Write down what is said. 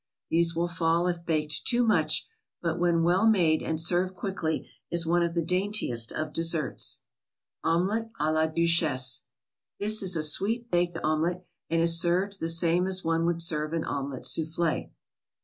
These will fall if baked too much, but when well made and served quickly, is one of the daintiest of desserts. OMELET A LA DUCHESSE This is a sweet baked omelet, and is served the same as one would serve an omelet souffle.